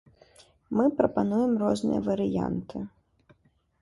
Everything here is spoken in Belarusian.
Мы прапануем розныя варыянты.